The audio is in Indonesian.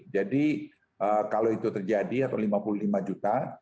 jadi kalau itu terjadi atau lima puluh lima juta